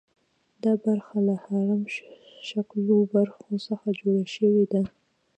دا برخه له هرم شکلو برخو څخه جوړه شوې ده.